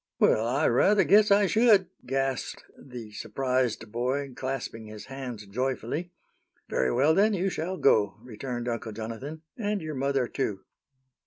"Well, I rather guess I should!" gasped the surprised boy, clasping his hands joyfully. "Very well, then, you shall go," returned Uncle Jonathan, "and your mother, too."